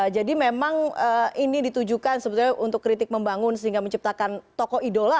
jadi memang ini ditujukan sebenarnya untuk kritik membangun sehingga menciptakan toko idola